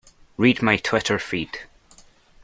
Read my Twitter feed.